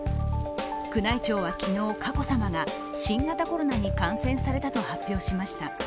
宮内庁は昨日、佳子さまが新型コロナに感染されたと発表しました。